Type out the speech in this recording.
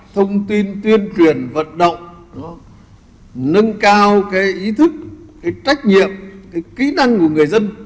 thông tin tuyên truyền vận động nâng cao ý thức trách nhiệm kỹ năng của người dân